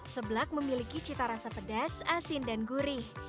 seblak memiliki cita rasa pedas asin dan gurih